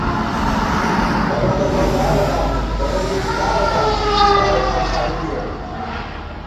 کرہ تہ لؤدارہ دامِؤ کرہ دی مِتارہ دامِؤ ، تارېخاں کھائیؤ ژمېت